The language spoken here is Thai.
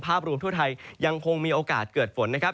ภาพรวมทั่วไทยยังคงมีโอกาสเกิดฝนนะครับ